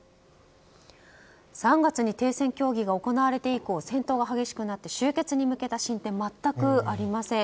３月に停戦協議が行われて以降戦闘が激しくなって終結に向けた進展が全くありません。